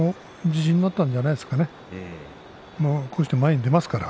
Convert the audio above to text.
自信になったんじゃないですかね